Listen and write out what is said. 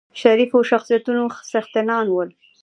شریفو شخصیتونو څښتنان ول.